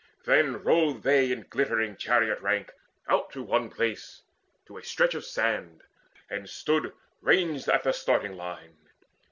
Then rode they in a glittering chariot rank Out to one place, to a stretch of sand, and stood Ranged at the starting line.